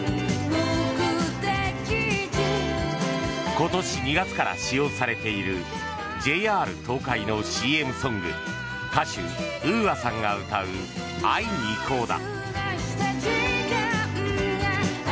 今年２月から使用されているＪＲ東海のＣＭソング歌手・ＵＡさんが歌う「会いにいこう」だ。